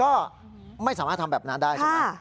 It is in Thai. ก็ไม่สามารถทำแบบนั้นได้ใช่ไหม